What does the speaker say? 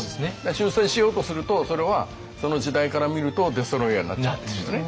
修正しようとするとそれはその時代から見るとデストロイヤーになっちゃいますけどね。